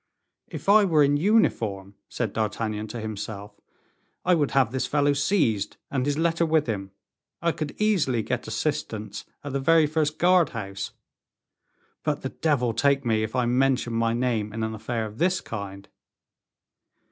"If I were in uniform," said D'Artagnan to himself, "I would have this fellow seized, and his letter with him. I could easily get assistance at the very first guard house; but the devil take me if I mention my name in an affair of this kind.